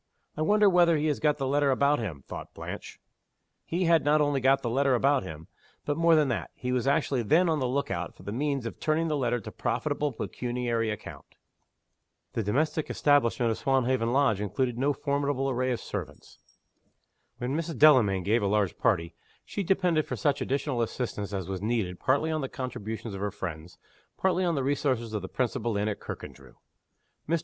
"I wonder whether he has got the letter about him?" thought Blanche. He had not only got the letter about him but, more than that, he was actually then on the look out for the means of turning the letter to profitable pecuniary account. The domestic establishment of Swanhaven Lodge included no formidable array of servants. When Mrs. Delamayn gave a large party, she depended for such additional assistance as was needed partly on the contributions of her friends, partly on the resources of the principal inn at Kirkandrew. Mr.